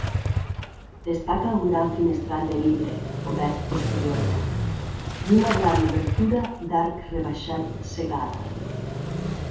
Destaca un gran finestral de vidre, obert posteriorment, i una gran obertura d'arc rebaixat cegada.